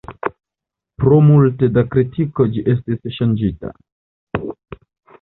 Pro multe da kritiko ĝi estis ŝanĝita.